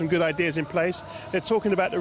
mereka berbicara tentang hal yang benar